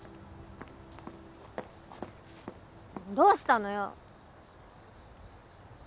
どうしたのよ！